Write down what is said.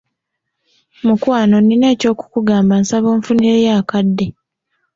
Mukwano nina eky'okukugamba nsaba onfunireyo akadde.